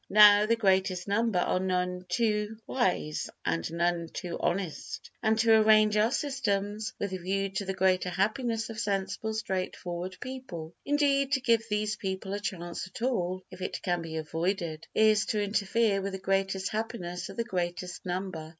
Now the greatest number are none too wise and none too honest, and to arrange our systems with a view to the greater happiness of sensible straightforward people—indeed to give these people a chance at all if it can be avoided—is to interfere with the greatest happiness of the greatest number.